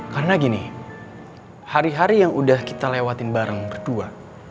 karena gini hari hari yang udah kita lewatin bareng berdua